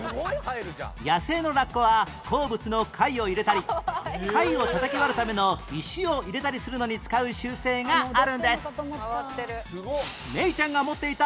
野生のラッコは好物の貝を入れたり貝をたたき割るための石を入れたりするのに使う習性があるんです